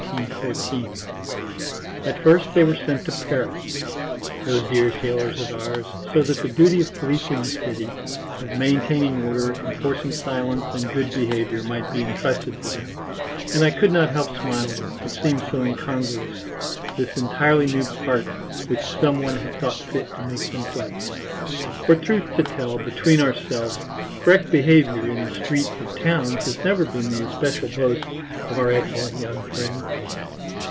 _ At first they were sent to Paris, those dear sailors of ours, so that the duty of policing the city, of maintaining order, enforcing silence and good behaviour might be entrusted to them and I could not help smiling; it seemed so incongruous, this entirely new part which someone had thought fit to make them play. For truth to tell, between ourselves, correct behaviour in the streets of towns has never been the especial boast of our excellent young friends.